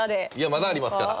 まだありますから。